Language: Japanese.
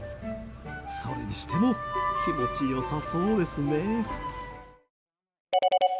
それにしても気持ち良さそうですね。